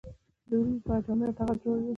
د وړیو څخه جامې او ټغر جوړیدل